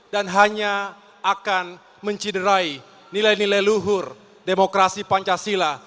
dan hanya akan menciderai nilai nilai luhur demokrasi pancasila